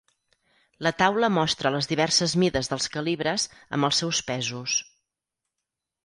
La taula mostra les diverses mides dels calibres amb els seus pesos.